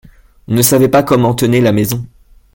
On ne savait comment tenait la maison.